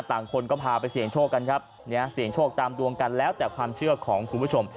คนก็พาไปเสี่ยงโชคกันครับเนี่ยเสี่ยงโชคตามดวงกันแล้วแต่ความเชื่อของคุณผู้ชม